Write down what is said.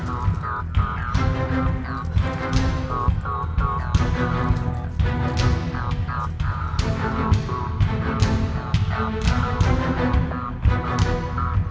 aku tidak mau hidup